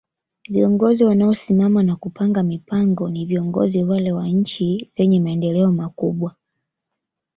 Viongozi wanao simama na kupanga mipango ni viongozi wale wa nchi zenye maendeleo makubwa